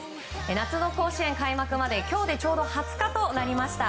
夏の甲子園開幕まで今日でちょうど２０日となりました。